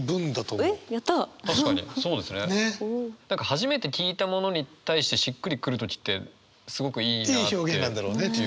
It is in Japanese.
初めて聞いたものに対してしっくりくる時ってすごくいいなって。